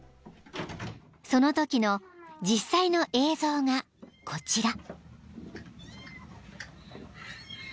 ［そのときの実際の映像がこちら］